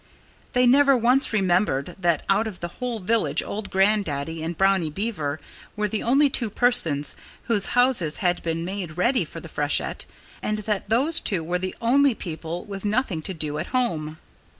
They never once remembered that out of the whole village old Grandaddy and Brownie Beaver were the only persons whose houses had been made ready for the freshet and that those two were the only people with nothing to do at home.